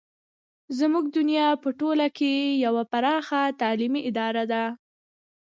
زموږ دنیا په ټوله کې یوه پراخه تعلیمي اداره ده.